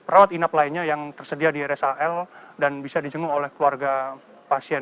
rawat inap lainnya yang tersedia di rsal dan bisa dijenguk oleh keluarga pasien